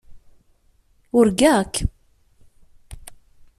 Urgaɣ-k.